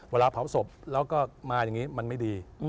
เวลาเผาศพแล้วก็มาอย่างนี้มันไม่ดี